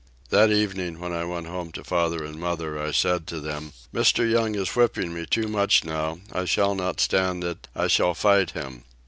That evening when I went home to father and mother, I said to them, "Mr. Young is whipping me too much now, I shall not stand it, I shall fight him."